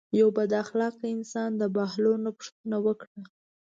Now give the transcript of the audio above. یو بد اخلاقه انسان د بهلول نه پوښتنه وکړه.